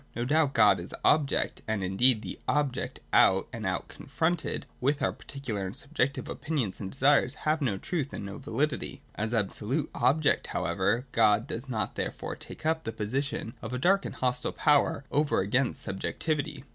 No doubt God is the Object, and, indeed, the Object out and out, confronted with I94 J THE OBJECT. 335 which our particular or subjective opinions and desires have no truth and no vaHdity. As absolute object however, God does not therefore take up the position of a dark and hostile power over against subjectivity.